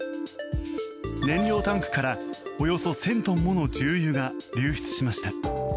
燃料タンクからおよそ１０００トンもの重油が流出しました。